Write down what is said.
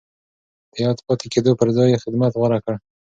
د ياد پاتې کېدو پر ځای يې خدمت غوره کړ.